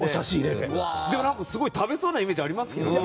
すごい食べそうなイメージありますけどね。